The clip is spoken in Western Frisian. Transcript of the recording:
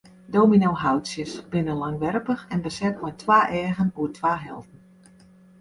Dominyshoutsjes binne langwerpich en beset mei swarte eagen oer twa helten.